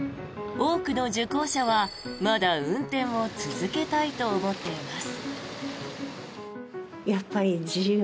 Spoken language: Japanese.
多くの受講者はまだ運転を続けたいと思っています。